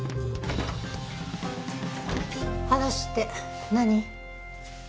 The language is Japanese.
話って何？